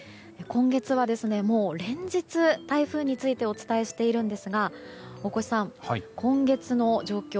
今月はもう連日、台風についてお伝えしているんですが大越さん、今月の状況